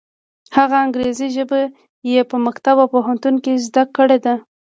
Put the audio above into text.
هغه انګریزي ژبه یې په مکتب او پوهنتون کې زده کړې ده.